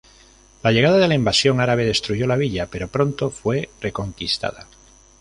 La llegada de la invasión árabe destruyó la villa, pero pronto fue reconquistada.